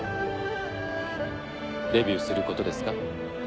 デビューすることですか？